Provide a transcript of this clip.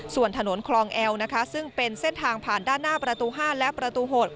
ส่วนถนนคลองแอลนะคะซึ่งเป็นเส้นทางผ่านด้านหน้าประตู๕และประตู๖